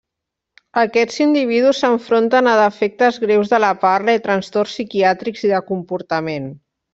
Aquests individus s'enfronten a defectes greus de la parla i trastorns psiquiàtrics i de comportament.